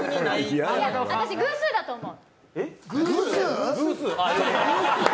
私、偶数だと思う。